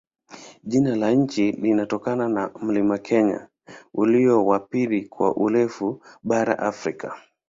Jina la nchi limetokana na mlima Kenya, ulio wa pili kwa urefu barani Afrika.